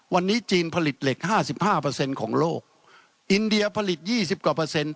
วันนี้จีนผลิตเหล็กห้าสิบห้าเปอร์เซ็นต์ของโลกอินเดียผลิตยี่สิบกว่าเปอร์เซ็นต